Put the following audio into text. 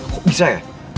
kok bisa ya